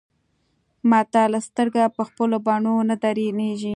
متل : سترګه په خپلو بڼو نه درنيږي.